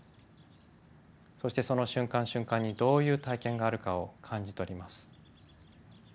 そしてその瞬間瞬間にどういう体験があるかを感じ取ります。